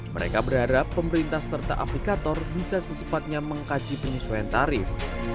mereka berharap pemerintah serta aplikator bisa secepatnya mengkaji penyesuaian tarif